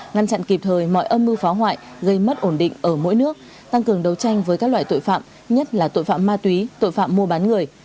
ngăn chặn kịp thời mọi âm mưu phá hoại gây mất ổn định ở mỗi nước tăng cường đấu tranh với các loại tội phạm nhất là tội phạm ma túy tội phạm mua bán người